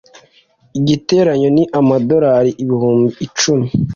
igiteranyo ni amadorari ibihumbi icumi.